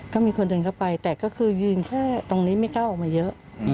ก็มีคนเดินเข้าไปแต่ก็คือยืนแค่ตรงนี้ไม่กล้าออกมาเยอะ